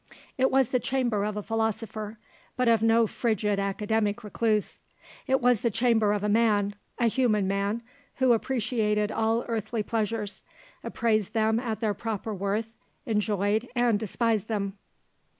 It was the chamber of a philosopher, but of no frigid, academic recluse; it was the chamber of a man, a human man, who appreciated all earthly pleasures, appraised them at their proper worth, enjoyed, and despised them.